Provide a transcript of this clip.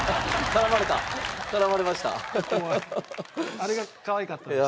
あれがかわいかったです。